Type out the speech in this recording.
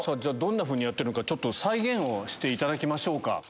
どんなふうにやってるのか再現をしていただきましょうか。